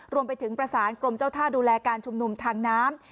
รวมไปถึงประสานกรมเจ้าท่าดูแลการชุมนุมทางน้ำ